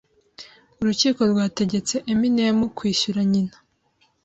urukiko rwategetse Eminem kwishyura nyina